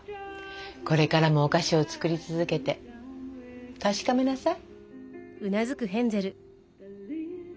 これからもお菓子を作り続けて確かめなさい。